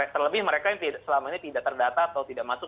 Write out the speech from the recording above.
terlebih mereka yang selama ini tidak terdata atau tidak masuk